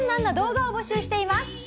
な動画を募集しています。